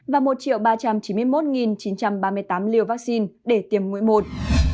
và một ba trăm chín mươi một chín trăm ba mươi tám liều vaccine để tiêm mũi một